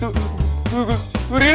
serlich semua banyak hiburan kan